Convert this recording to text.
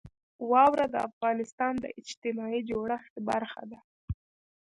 واوره د افغانستان د اجتماعي جوړښت برخه ده.